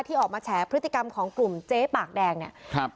ออกมาแฉพฤติกรรมของกลุ่มเจ๊ปากแดงเนี่ยครับ